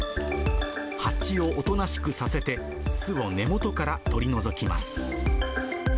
ハチをおとなしくさせて、巣を根元から取り除きます。